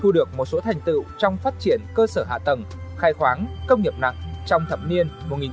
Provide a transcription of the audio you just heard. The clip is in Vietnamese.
được một số thành tựu trong phát triển cơ sở hạ tầng khai khoáng công nghiệp nặng trong thập niên một nghìn chín trăm sáu mươi một nghìn chín trăm bảy mươi